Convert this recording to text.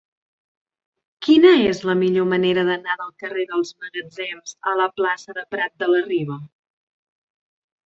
Quina és la millor manera d'anar del carrer dels Magatzems a la plaça de Prat de la Riba?